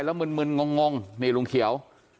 แล้วเมื่นนเมื่นงองเลยลุงเขียว